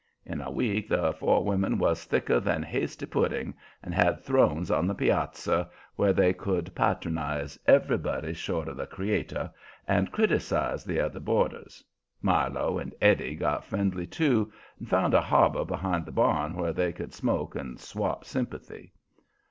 In a week the four women was thicker than hasty pudding and had thrones on the piazza where they could patronize everybody short of the Creator, and criticize the other boarders. Milo and Eddie got friendly too, and found a harbor behind the barn where they could smoke and swap sympathy.